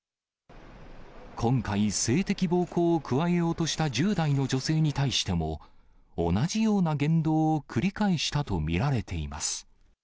今回、性的暴行を加えようとした１０代の女性に対しても、同じような言動を繰り返したと見られています。